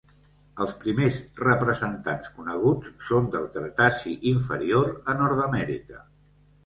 Els primers representants coneguts són del Cretaci Inferior a Nord-amèrica.